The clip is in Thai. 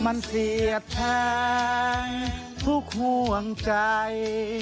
มันเสียดแทงทุกห่วงใจ